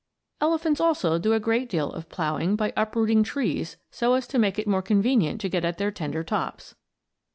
Elephants also do a great deal of ploughing by uprooting trees so as to make it more convenient to get at their tender tops.